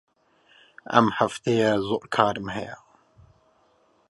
ئەم هەفتەیە زۆر کارم هەیە.